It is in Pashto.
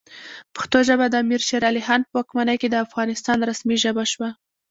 پښتو ژبه د امیر شیرعلی خان په واکمنۍ کې د افغانستان رسمي ژبه شوه.